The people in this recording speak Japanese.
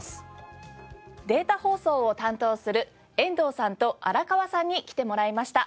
データ放送を担当する遠藤さんと荒川さんに来てもらいました。